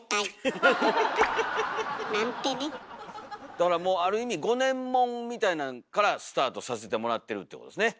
だからもうある意味５年物みたいなんからスタートさせてもらってるってことですね。